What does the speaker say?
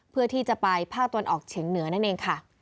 เพื่อที่จะไปภาคตะวันออกเฉียงเหนือนั่นเองค่ะ